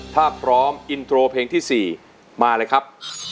ถ้าพร้อมอินโทรเพลงที่๔มาเลยครับ